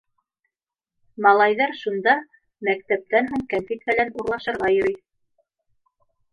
Малайҙар шунда мәктәптән һуң кәнфит-фәлән урлашырға йөрөй.